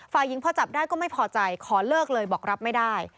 ฝ่ายหญิงพอจับได้ก็ไม่พอใจขอเลิกเลยบอกรับไม่ได้